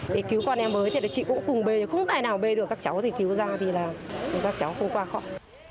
để cứu con em với chị cũng cùng bê không ai nào bê được các cháu thì cứu ra các cháu không qua khóc